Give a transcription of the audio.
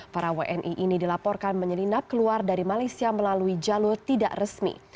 para wni ini dilaporkan menyelinap keluar dari malaysia melalui jalur tidak resmi